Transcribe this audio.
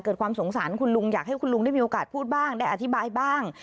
เกิดความสงสารคุณลุงอยากให้คุณลุงได้มีโอกาสพูดบ้างได้อธิบายบ้าง